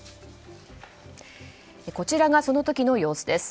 こちらがその時の様子です。